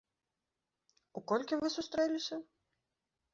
У колькі вы сустрэліся?